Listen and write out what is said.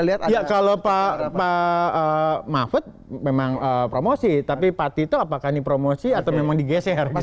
lihat kalau pak mahfud memang promosi tapi pak tito apakah dipromosi atau memang digeser pas